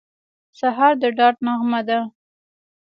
سهار د ډاډ نغمه ده.